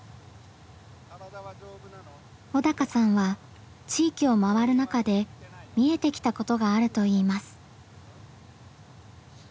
小鷹さんは地域を回る中で見えてきたことがあると言います。